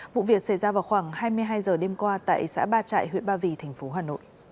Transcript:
vụ việc xảy ra vào khoảng hai mươi hai h đêm qua tại xã ba trại huyện ba vì tp hcm